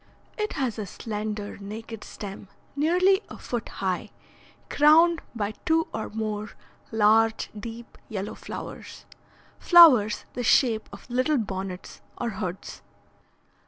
It has a slender, naked stem nearly a foot high, crowned by two or more large deep yellow flowers, flowers the shape of little bonnets or hoods.